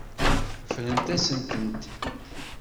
Ffrent-asent-tent.